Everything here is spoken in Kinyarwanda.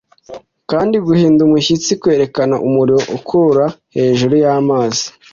Kandi guhinda umushyitsi kwerekana umuriro ukurura hejuru y'amazi